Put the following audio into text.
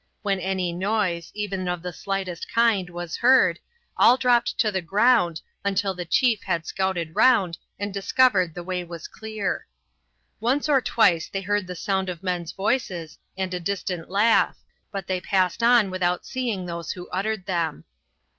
When any noise, even of the slightest kind, was heard, all dropped to the ground until the chief had scouted round and discovered the way was clear. Once or twice they heard the sound of men's voices and a distant laugh, but they passed on without seeing those who uttered them.